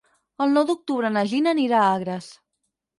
El nou d'octubre na Gina anirà a Agres.